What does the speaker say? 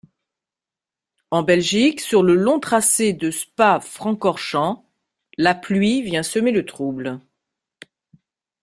En Belgique, sur le long tracé de Spa-Francorchamps, la pluie vient semer le trouble.